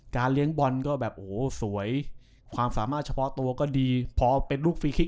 การเลี้ยงบอลก็โหสวยทุกคนถ้าเป็นลูกฟรีบิล์ไคร้คิก